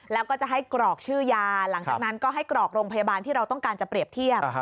แล้วก็จะให้กรอกชื่อยาหลังจากนั้นก็ให้กรอกโรงพยาบาลที่เราต้องการจะเปรียบเทียบ